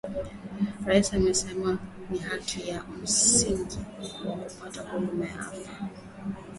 Rais amesema ni haki ya msingi wa kupata huduma ya afya